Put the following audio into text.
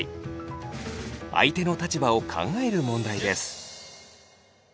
相手の立場を考える問題です。